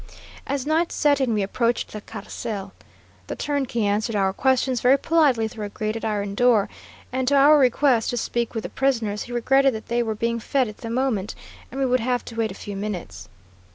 "As night set in we approached the carsel. The turnkey answered our questions very politely through a grated iron door, and to our request to speak with the prisoners, he regretted that they were being fed at that moment, and we would have to wait a few minutes.